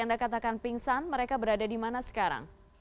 anda katakan pingsan mereka berada di mana sekarang